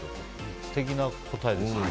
素敵な答えですよね。